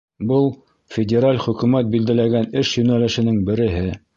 Был — федераль хөкүмәт билдәләгән эш йүнәлешенең береһе.